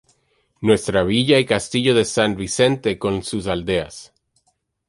Nuestra villa y castillo de Sant Vicente con sus aldeas.